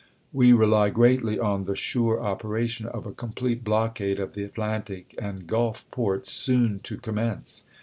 We rely greatly on the sure operation of a complete blockade of the Atlantic and Gulf ports soon to com mence.